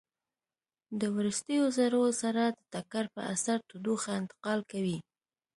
د وروستیو ذرو سره د ټکر په اثر تودوخه انتقال کوي.